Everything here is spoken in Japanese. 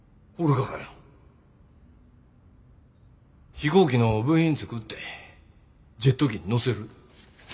飛行機の部品作ってジェット機に載せる。